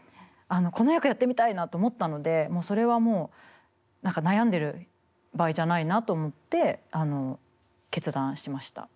この役やってみたいなと思ったのでもうそれはもう悩んでる場合じゃないなと思って決断しました。